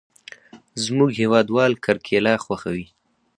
زموږ هېوادوال کرکېله خوښوي.